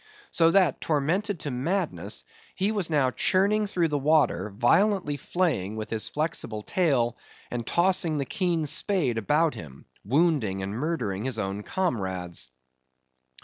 So that tormented to madness, he was now churning through the water, violently flailing with his flexible tail, and tossing the keen spade about him, wounding and murdering his own comrades.